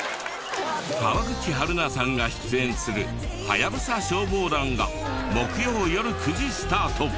川口春奈さんが出演する『ハヤブサ消防団』が木曜よる９時スタート。